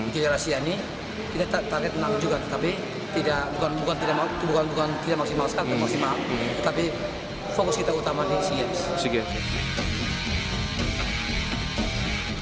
kejuaraan asia ini kita target enam juga tapi bukan tidak maksimal sekarang tapi fokus kita utama di sea games